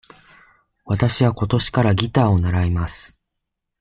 わたしは今年からギターを習います。